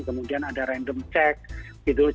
kemudian ada random check gitu